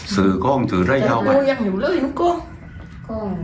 สื่อกล้องสื่อไล่เท่าไหร่ยังอยู่เลยนุ้งกล้อง